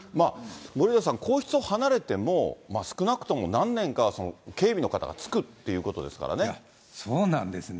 森永さん、皇室を離れても少なくとも何年かは警備の方がつくっていうことでそうなんですね。